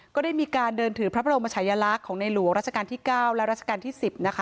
ก็ได้มีการเดินถือพระบรมชายลักษณ์ของในหลวงราชการที่๙และราชการที่๑๐นะคะ